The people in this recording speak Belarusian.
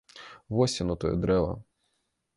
Вось яно, тое дрэва!